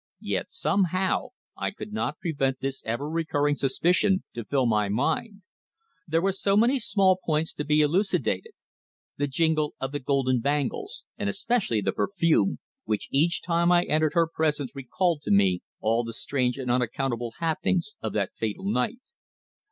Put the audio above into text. Yet, somehow, I could not prevent this ever recurring suspicion to fill my mind. There were so many small points to be elucidated the jingle of the golden bangles, and especially the perfume, which each time I entered her presence recalled to me all the strange and unaccountable happenings of that fatal night.